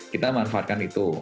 kita manfaatkan itu